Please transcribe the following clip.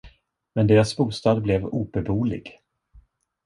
Men deras bostad blev obeboelig.